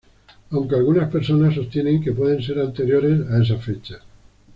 Aunque algunas personas sostienen que puede ser anterior a esa fecha.